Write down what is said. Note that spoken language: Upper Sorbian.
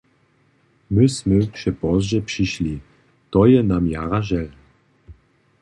My smy přepozdźe přišli, to je nam jara žel.